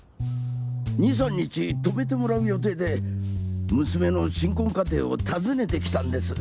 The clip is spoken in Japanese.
２３日泊めてもらう予定で娘の新婚家庭を訪ねてきたんです。